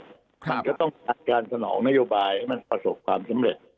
มันก็ต้องการสนองนโยบายให้มันประสบความสำเร็จ